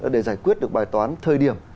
để giải quyết được bài toán thời điểm